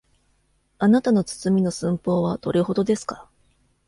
あなたの包みの寸法はどれほどですか。